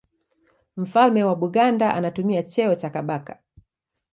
Mfalme wa Buganda anatumia cheo cha Kabaka.